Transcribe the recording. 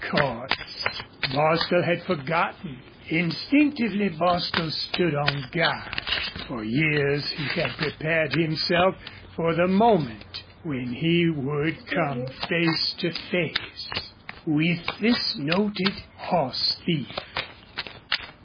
Cordts! Bostil had forgotten. Instinctively Bostil stood on guard. For years he had prepared himself for the moment when he would come face to face with this noted horse thief.